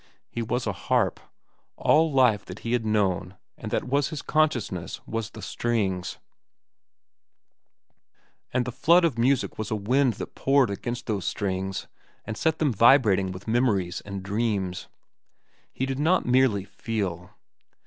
He was a harp; all life that he had known and that was his consciousness was the strings; and the flood of music was a wind that poured against those strings and set them vibrating with memories and dreams. He did not merely feel.